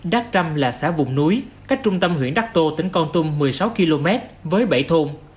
đắc trăm là xã vùng núi cách trung tâm huyện đắc tô tỉnh con tum một mươi sáu km với bảy thôn